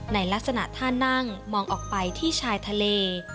ในลักษณะท่านั่งมองออกไปที่ชายทะเล